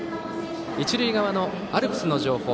一塁側のアルプスの情報